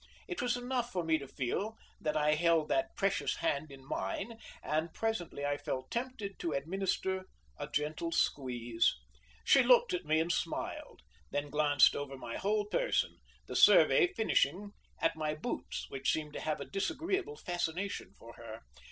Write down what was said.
It was enough for me to feel that I held that precious hand in mine, and presently I felt tempted to administer a gentle squeeze. She looked at me and smiled, then glanced over my whole person, the survey finishing at my boots, which seemed to have a disagreeable fascination for her.